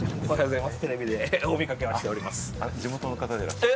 おはようございます！